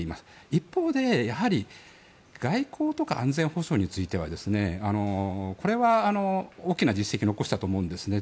一方で、外交とか安全保障についてはこれは大きな実績を残したと思います。